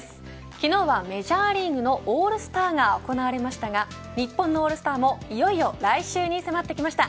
昨日はメジャーリーグのオールスターが行われましたが日本のオールスターもいよいよ来週に迫ってきました。